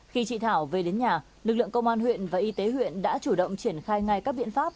khi chị thảo về đến nhà lực lượng công an huyện và y tế huyện đã chủ động triển khai ngay các biện pháp